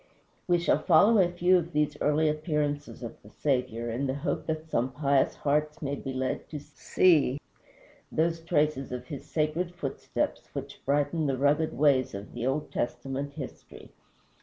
We shall follow a few of these early appearances of the Saviour, in the hope that some pious hearts may be led to see those traces of his sacred footsteps, which brighten the rugged ways of the Old Testament history.